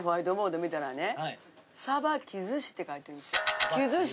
さばきずしって書いてるんですよ。